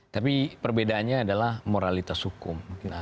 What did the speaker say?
tapi perbedaannya adalah moralitas hukum